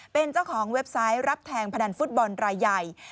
เป็นเจ้าของเว็บไซต์รับแทงพนันฟุตบอลรายใหญ่